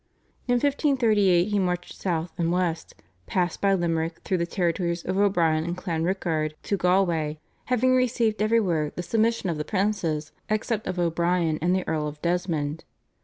In 1538 he marched south and west, passing by Limerick through the territories of O'Brien and Clanrickard to Galway, having received everywhere the submission of the princes except of O'Brien and the Earl of Desmond.